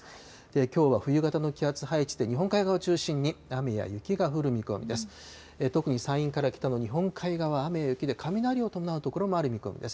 きょうは冬型の気圧配置で日本海側を中心に、雨や雪が降る見込みです。